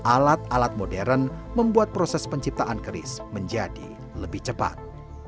alat alat modern membuat proses penciptaan keris menjadi lebih cepat